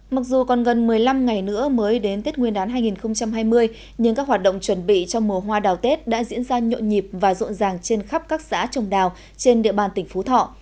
mặc dù còn gần một mươi năm ngày nữa mới đến tết nguyên đán hai nghìn hai mươi nhưng các hoạt động chuẩn bị cho mùa hoa đào tết đã diễn ra nhộn nhịp và rộn ràng trên khắp các xã trồng đào trên địa bàn tỉnh phú thọ